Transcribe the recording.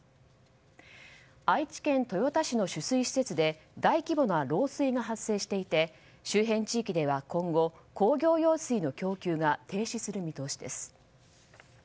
愛知県豊田市の取水施設で大規模な漏水が発生していて周辺地域では今後工業用水の供給が停止する見通しです。